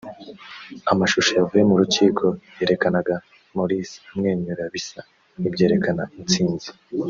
Amashusho yavuye mu rukiko yerekanaga Morsi amwenyura bisa n’ibyerekana intsinzi